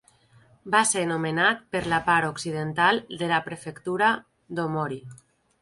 Va ser nomenat per la part occidental de la Prefectura d'Aomori.